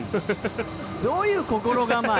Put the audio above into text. どういう心構え。